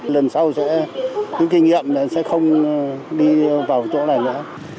lần sau sẽ cứ kinh nghiệm là sẽ không đi vào chỗ này nữa